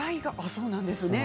そうなんですね。